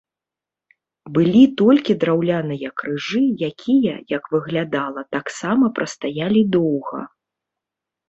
Былі толькі драўляныя крыжы, якія, як выглядала, таксама прастаялі доўга.